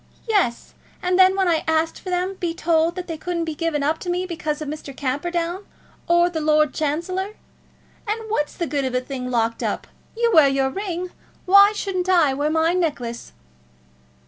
"Yes; and then when I asked for them be told that they couldn't be given up to me, because of Mr. Camperdown or the Lord Chancellor. And what's the good of a thing locked up? You wear your ring; why shouldn't I wear my necklace?"